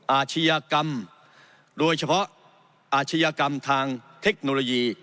อาชญากรรมโดยเฉพาะอาชญากรรมทางเทคโนโลยี